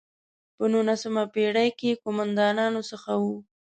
په نولسمه پېړۍ کې قوماندانانو څخه وو.